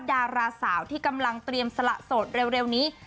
ดาราสาวที่กำลังเตรียมสละโสดเร็วนี้